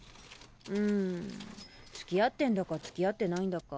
うーん。付き合ってんだか付き合ってないんだか。